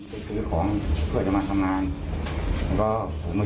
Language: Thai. ให้ก่อนผมแค่นี้